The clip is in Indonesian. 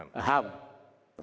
dengan tidak harus melanggar ham